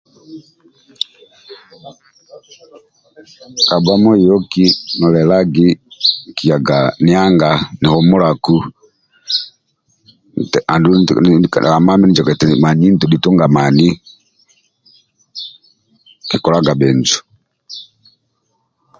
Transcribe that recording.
Kabha ninieyoki ninilelagi nkiyaga ni anga nihumulaku andulu kitodha mami nitodha nitunga mani nkikolaga bhinjo